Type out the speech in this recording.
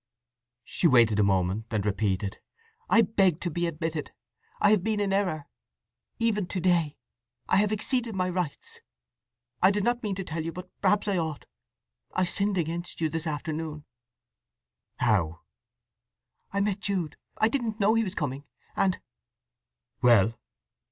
She waited a moment, and repeated, "I beg to be admitted! I have been in error—even to day. I have exceeded my rights. I did not mean to tell you, but perhaps I ought. I sinned against you this afternoon." "How?" "I met Jude! I didn't know he was coming. And—" "Well?"